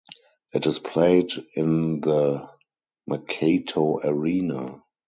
It is played in the Makoto Arena.